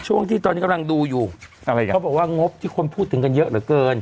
ช่วงที่ตอนนี้กำลังดูอยู่อะไรกันเขาบอกว่างบที่คนพูดถึงกันเยอะเหลือเกิน